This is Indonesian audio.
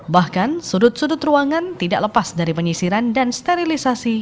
bahkan sudut sudut ruangan tidak lepas dari penyisiran dan sterilisasi